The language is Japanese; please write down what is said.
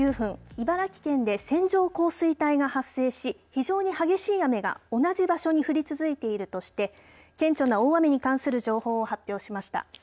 茨城県で線状降水帯が発生し非常に激しい雨が同じ場所に降り続いているとして顕著な大雨に関する情報を発表しました。